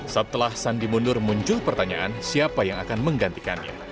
setelah sandi mundur muncul pertanyaan siapa yang akan menggantikannya